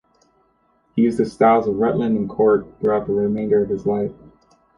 He used the styles of Rutland and Cork throughout the remainder of his life.